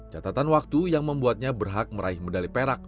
catatan waktu yang membuatnya berhak meraih medali perak